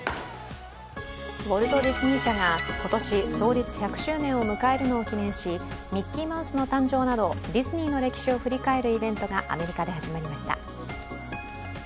ウォルト・ディズニー社が今年創立１００周年を迎えるのを記念しミッキーマウスの誕生などディズニーの歴史を振り返るイベントがアメリカで始まりました。